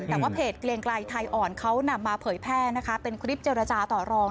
แต่ว่าเพจเกลียงไกลไทยอ่อนเขานำมาเผยแพร่นะคะเป็นคลิปเจรจาต่อรอง